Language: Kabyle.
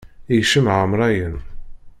Ikcem ɛamṛayen.